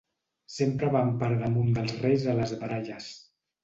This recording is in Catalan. Sempre van per damunt dels reis a les baralles.